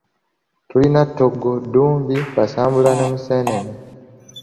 Tulina Ttoggo, Ddumbi, Kasambula ne Museenene.